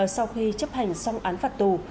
sau khi chấp hành xong án phạt tù